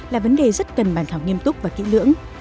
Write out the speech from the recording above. là vấn đề rất cần bàn thảo nghiêm túc và kỹ lưỡng